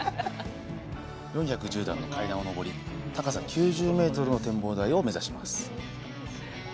４１０段の階段を上り高さ９０メートルの展望台を目指します。